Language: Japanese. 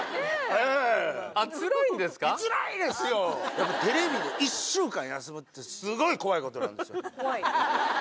やっぱテレビで１週間休むってスゴい怖いことなんですよ。